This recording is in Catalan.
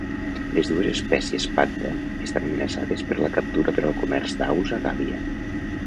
Les dues espècies "padda" estan amenaçades per la captura per al comerç d'aus a gàbia.